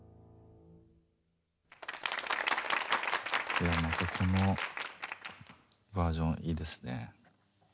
いやもうまたこのバージョンいいですね。